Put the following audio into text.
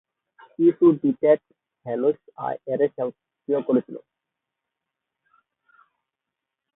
ইসোডিড্যাক্টই halo array সক্রিয় করেছিল।